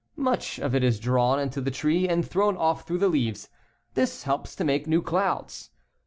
Much of it is drawn into the tree and thrown off through the leaves. This helps to make new clouds.